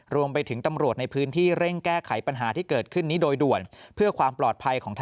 รวมไปถึงตำรวจในพื้นที่เร่งแก้ไขปัญหาที่เกิดขึ้นนี้โดยด่วนเพื่อความปลอดภัยของท่าน